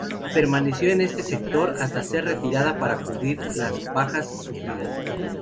Permaneció en este sector hasta ser retirada para cubrir las bajas sufridas.